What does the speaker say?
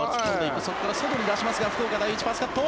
そこから外に出しますが福岡第一、パスカット。